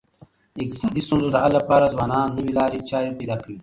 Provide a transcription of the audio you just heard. د اقتصادي ستونزو د حل لپاره ځوانان نوي لاري چاري پیدا کوي.